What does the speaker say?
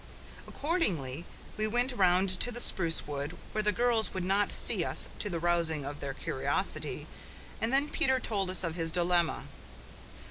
Accordingly, we went round to the spruce wood, where the girls would not see us to the rousing of their curiosity, and then Peter told us of his dilemma.